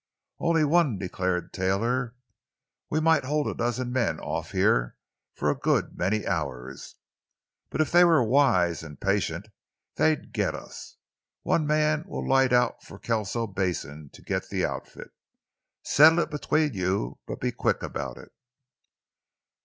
"Only one," declared Taylor. "We might hold a dozen men off here for a good many hours. But if they were wise and patient they'd get us. One man will light out for Kelso Basin to get the outfit. Settle it between you, but be quick about it!"